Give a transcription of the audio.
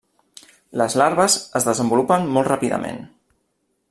Les larves es desenvolupen molt ràpidament.